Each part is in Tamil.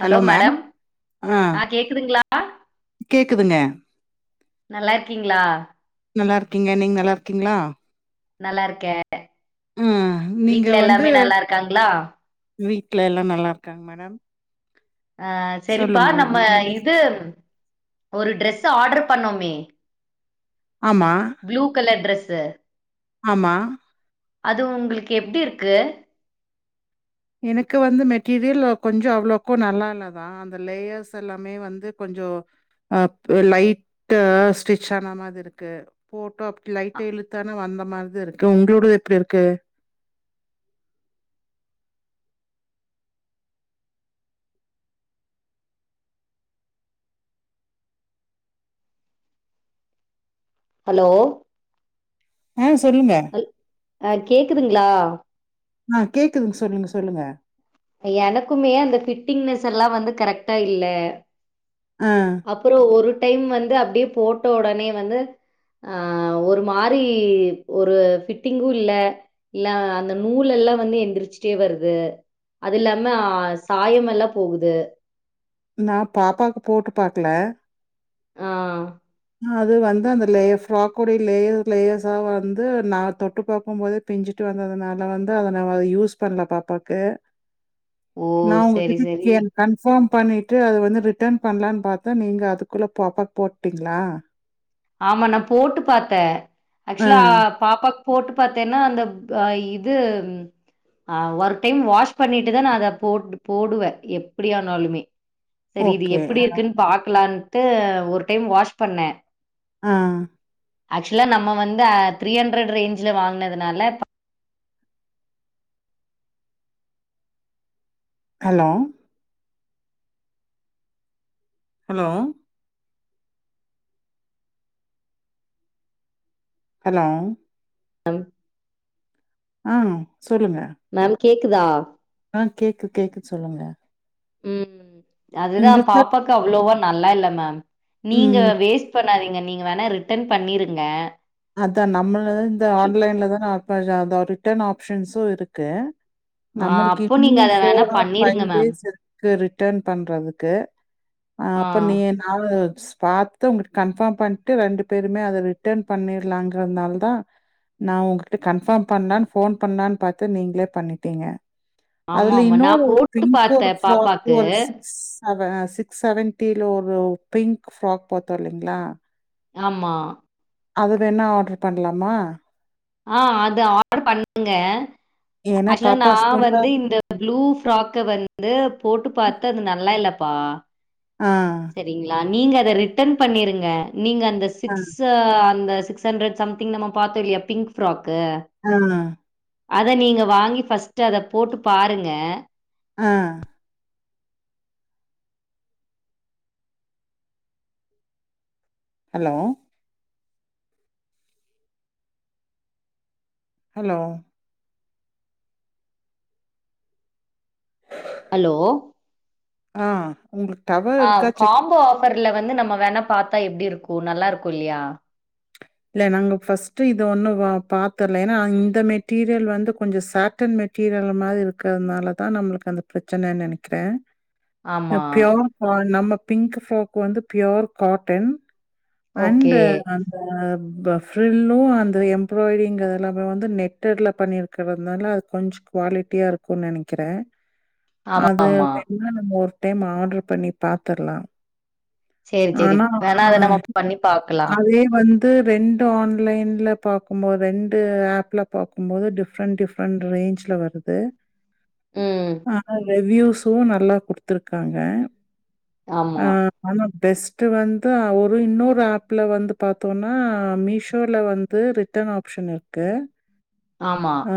ஹலோ மேடம் ஆ ஆஹ கேக்குதுங்ளா கேக்குதுங்க நல்லா இருக்கீங்களா நல்லா இருக்கிங்க நீங்க நல்லாறிக்கீங்ளா நல்லாருக்கேன ஆ நீங்க வீட்ல வந்து எல்லாமே நல்லாருக்காங்ளா வீட்ல எல்லா நல்லாருக்காங்க மேடம் ஆ செரிப்பா சொல்லுங்க நம்ம மேம் இது ஒரு ட்ரெஸ் ஆர்டர் பண்ணோமே ஆமா ப்ளூ கலர் ட்ரெஸ்ஸு ஆமா அது உங்ளுக்கு எப்டி இருக்கு எனக்கு வந்து மெட்டீரியல் கொஞ்சோ அவ்ளோக்கு நல்லா இல்லதா அந்த லேயர்ஸ் எல்லாமே வந்து கொஞ்சோ அ லைட்டு ஸ்டிச் ஆன மாதிரி இருக்கு போட்டோ அப்டி லைட்டு இழுத்தானே வந்த மாரிதா இருக்கு உங்களோடது எப்டி இருக்கு ஹலோ ம் சொல்லுங்க அல் கேக்குதுங்ளா ஆ கேக்குதுங்க சொல்லுங்க சொல்லுங்க எனக்குமே அந்த ஃப்ட்டிங்னஸ் எல்லா வந்து கரெக்டா இல்ல ஆ அப்பறோ ஒரு டைம் வந்து அப்டியே போட்ட உடனே வந்து ஆ ஒரு மாரி ஒரு ஃப்ட்டிங்கு இல்ல இல்ல அந்த நூல் எல்லா வந்து எந்திரிச்சிட்டே வருது அது இல்லாம சாயம் எல்லா போகுது நா பாப்பாவுக்கு போட்டு பாக்ல ஆ அது வந்து அந்த லேஃப் ஃப்ராக்கோடைய லேயர் லேயர்ஸா வந்து நா தொட்டு பாக்கும் போது பிஞ்சிட்டு வந்ததுனால வந்து அத நா யூஸ் பண்ணல பாப்பாக்கு ஓ! நா உங்க சரி, கிட்ட சரி. கே கன்ஃபார்ம் பண்ணிட்டு அது வந்து ரிட்டர்ன் பண்ணலானு பாத்தா நீங்க அதுக்குள்ள பாப்பாக்கு போட்டிங் ங்ளா ஆமா நா போட்டு பாத்தே ஆ. ஆக்சுலா பாப்பாக்கு போட்டு பாத்தேன்னா அந்தப் அ இது ஆ ஒரு டைம் வாஷ் பண்ணிட்டுதா நா அத போட் போடுவே எப்டி ஆனாலுமே செரி இது ஓகே. எப்டி ஆ. இருக்குன்னு பாக்கலான்ட்டு ஒரு டைம் வாஷ் பண்ணே ஆ ஆக்சுலா நம்ம வந்து த்ரீ ஹண்ட்ரடு ரேஞ்ச்ல வாங்னதுனால ஹலோ ஹலோ ஹலோ [inaudible] ஆ சொல்லுங்க மேம் கேக்குதா ஆ கேக்கு கேக்கு சொல்லுங்க ம் அதுதா உங்களுக்கு தான் பாப்பாக்கு அவ்ளோவா நல்லா இல்ல மேம் நீங்க ம். வேஸ்ட் பண்ணாதீங்க நீங்க வேணா ரிட்டன் பண்ணிருங்க அதா நம்மள இந்த சு ஆன்லைன்லதானே ஆஃபர் அதா ரிட்டன் ஆப்ஷன்ஸு இருக்கு ஆ நம்மளுக்கு அப்போ இன்னு நீங்க அத வேணா ஃபோர் ஆர் ஃபை பண்ணிருங்க மேம். டேஸ் இருக் கு ரிட்டன் பண்றதுக்கு அப்ப ஆ. நீ என் [unintelligible] பாத்து உங்க கன்ஃபார்ம் பண்ட்டு ரெண்டு பேருமே அத ரிட்டன் பண்ணிர்லாங்கறனால தா நா உங்ககிட்ட கன்ஃபார்ம் பண்லான் ஃபோன் பண்லான் பாத்து நீங்களே பண்ணிட்டீங்க ஆமா அதுல ஆமா நா இன்னோரு ஒரு போட்டு பிங்க் பாத்தே ஒரு ஃப்ராக் பாப்பாக்கு ஒரு சிக்ஸ் அவ சிக்ஸ் செவன்ட்டில ஒரு பிங்க் ஃப்ராக் போத்தோ இல்லிங்ளா ஆமா அது வேணா ஆர்டர் பண்லாமா ஆ அது ஆர்டர் பண்ணுங்க ஏன்னா அதுல பாப்பா நா ஸ்கூல்ல வந்து இந்த ப்ளூ ஃப்ராக்க வந்து போட்டு பாத்து அது நல்லா இல்லப்பா ஆ சரிங்ளா நீங்க அத ரிட்டன் பண்ணிருங்க நீங்க அந்த ஆ, சிக்ஸ் அந்த சிக்ஸ் ஹண்ரட் சம்திங் நம்ம பாத்தோ இல்லியா பிங்க் ஃபராக் அ அத நீங்க வாங்கி ஃபஸ்ட் அத போட்டு பாருங்க ஆ ஹலோ ஹலோ ஹலோ ஆ உங்களுக்கு டவர் இருக்கா செக் வர்ல வந்து நம்ம வேன பாத்தா எப்டி இருக்கு நல்லா இருக்கு இல்லியா இல்ல நாங்க ஃபஸ்ட் இது ஒன்னு பாத்தர்ல ஏனா அந்த மெட்டீரியல் வந்து கொஞ்ச சாட்டன் மெட் டீரியல் மாரி இருக்கிறதுனாலதா நம்ளுக்கு அந்த பிரச்சனன்னு நெனைக்கிறே ஆமா ப்யோர் நம்ம பிங்க் ஃபோக் வந்து pure cotton okay and frill அந்த எம்ப்ராய்டிங் எல்லாமே வந்து நெட்டர்ல பண்ணிரு கிடந்தால அது கொஞ்ச குவாலிட்டியா இருக்குன் நெனக்கிறே ஆமா அது ஆமா வேணுனா நம்ம ஒரு டைம் ஆர்டர் பண்ணி பாத்துர்லா சேரி சேரி ஆனா வேணா அ அத நம்ம பண்ணி பாக்கலா அதே வந் து ரெண்டு ஆன்லைன்ல பாக்கும்போது ரெண்டு ஆப்ல பாக்கும் போது டிஃப் டிஃப்ரெண்ட் டிஃப்ரெண்ட் ரேஞ்ச்ல வருது ம் ஆ ரெவ்யூஸு நல்லா கொடுத்துருக்காங்க ஆ ஆமா ஆனா பெஸ்ட் வந்து ஒரு இன்னோரு ஆப்ல வந்து பா த்தோன்னா மீஷோல வந்து ரிட்டன் ஆப்ஷன் இருக்கு ஆமா ஆ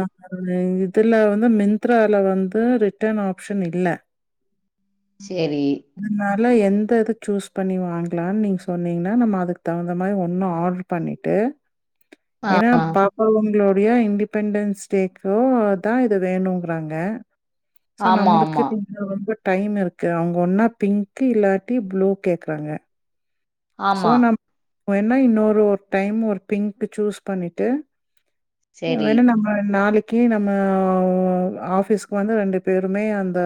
இதுல வந்து மிந்த்ரால வந்து ரிட்டன் ஆப்ஷன் இல்ல ஷ்ஷ்ஷ் சேரி அதனால எந்த இது சூஸ் பண்ணி வாங்கலான்னு நீங்க சொன்னீங்கன்னா நம்ம அதுக்கு தகுந்த மாரி ஒன்னா ஆர்ரு பண்ணிட்டு ஆ ஏன்னா பாப்பா இவங்களுடைய இன்டிப் பெண்டன்ஸ்டேக்கோ தா இத வேணுங்கிறாங்க ஸோ ஆமா நம்ளுக்கு ஆமா இன்னு ரொம்ப டைம் இருக்கு அவுங்க ஒன்னா பிங்க்கு இல்லாட்டி ப்ளூ கேக்றாங்க சோ ஆமா நம் என்னா இன்னொரு டைம் ஒரு பிங்க்கு சூஸ் பண்ணிட்டு சேரி [unintelligible] நம்ம நாளைக்கி நம்ம ஆபிஸ்க்கு வந்து ரெண்டு பேருமே அந்த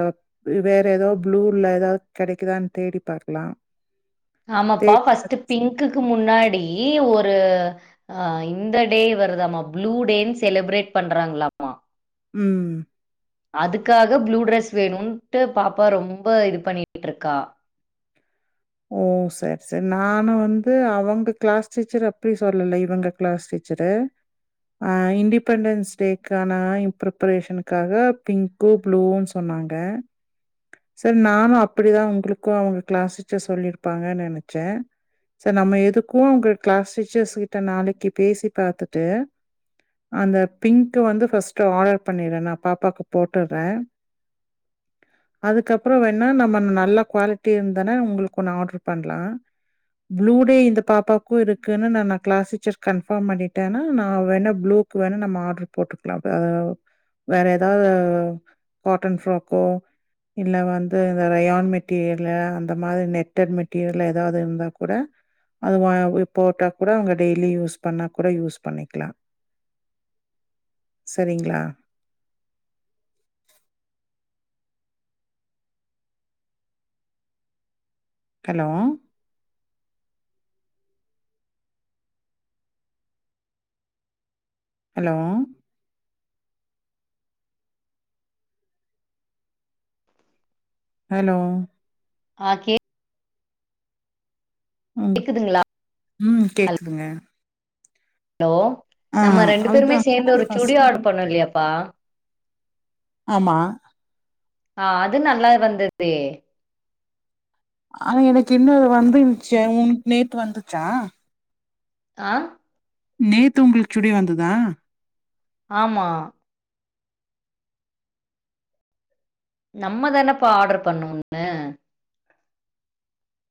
வேற ஏதோ ப்ளூல ஏதாவது கெடைக்குதான்னு தேடி பார்க்லா ஆமாப்பா ஃபஸ்ட் பிங்க்குக்கு முன்னாடி ஒரு ஆ இந்த டே வருதாம ப்ளூ டேன்னு செலிப்ரேட் பண்றாங்ளாமா ம் அதுக்காக ப்ளூ ட்ரெஸ் வேணுன்ட்டு பாப்பா ரொம்ப இது பண்ணிட்ருக்கா ஓ சேர் சேரி நானு வந்து அவுங்க க்ளாஸ் டீச்சர் அப்டி சொல்லல இவங்க க்ளாஸ் டீச்சரு அ இண்டிபெண்டன்ஸ் டேக்கான இப் பிப்ரேஷனுக்காக பிங் கூப்டுவோ சொன்னாங்க சேர் நானு அப்டிதா உங்களுக்கு அவங்க கிளாஸ் சர்ஸ் சொல்லிருப்பாங்க நெனச்சே சேர் நம்ம எதுக்கு உங்க க்ளாஸ் டீச்சர்ஸ் கிட்ட நாளைக்கி பேசி பாத்துட்டு அந்த பிங்க்கு வந்து ஃபஸ்ட்டு ஆர்டர் பண்ணிறே நா பாப்பாக்கு போட்டறே அதுக்கப்றோ வேணா நம்ம நல்லா குவாலிட்டி இருந்தா ன உங்ளுக்கு ஒண்ணு ஆர்டர் பண்லா ப்ளூ டே இந்த பாப்பாக்கு இருக்குன்னு நா நா க்ளாஸ் டீச்சர் கன்ஃபாம் பண்ணிட்டேனா நா வேணா ப்ளு க்கு வேணா நம்ம ஆர்டர் போட்டுக்லா பா வேற ஏதாவது காட்டன் ஃப்ராக்கோ இல்ல வந்து இந்த ரயான் மெட்டீரியல்ல இந்த மாதிரி நெட்டட் மெட்டீரியல்ல ஏதாவது இருந்தா கூட அது ஓய் இது போட்டா கூட அவங்க டெய்லி யூஸ் பண்ணா கூட யூஸ் பண்ணிக்லா செரிங்ளா ஹலோ ஹலோ ஹலோ ஆ கே ம் கேக்குதுங்களா ம் கேக்குதுங்க ஹலோ ஆ நம்ம ரெண்டு பேருமே அதுதாங்க சேந்து ஒரு சுடி ஃபர்ஸ்ட் ஆர்ட்ரு பண்ணோ இல்லையாப்பா ஆமா ஆ அது நல்லா வந்தத்தே ஆனா எனக்கு இன்னு வந்துந்திச்சே உன் நேத்து வந்துச்சா ஆ நேத்து உங்ளுக்கு சுடி வந்ததா ஆமா நம்மதானேப்பா ஆர்டர் பண்ணு ஒன்னு